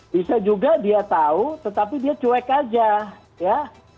bisa juga dia tahu tetapi dia cuek aja ya